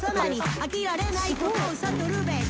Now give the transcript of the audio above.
飽きられないことを悟るべし）